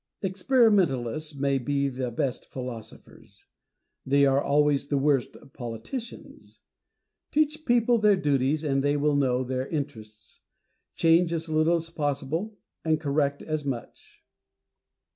Experimentalists may be the best philosophers : they are always the worst politicians. Teach people their duties, and they will know their interests. Change as little as possible, and correct as much.